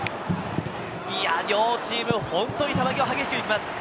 両チーム本当に球際激しく行きます。